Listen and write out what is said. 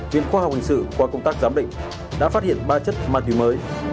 viện khoa học hình sự qua công tác giám định đã phát hiện ba chất ma túy mới